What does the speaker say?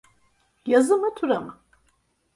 Yazı mı, tura mı?